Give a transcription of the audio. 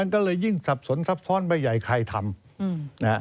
ก็เลยยิ่งสับสนซับซ้อนไปใหญ่ใครทำ